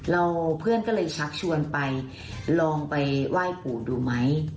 เพื่อนก็เลยชักชวนไปลองไปไหว้ปู่ดูไหม